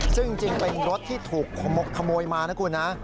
ซึ่งจริงเป็นรถที่ถูกขโมยมานะคุณนะ